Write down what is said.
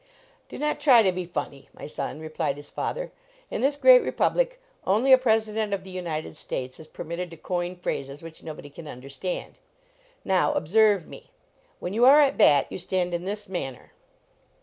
"Do not try to be funny, my son," re plied his father, "in this great republic only a President of the United States is permitted to coin phrases which nobody can under stand. Now, observe me; when you are at bat you stand in this manner."